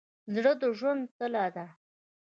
زړه د ژوند تله ده.